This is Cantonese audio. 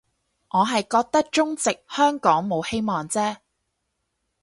我係覺得中殖香港冇希望啫